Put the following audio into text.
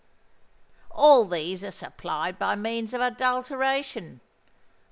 All these are supplied by means of adulteration.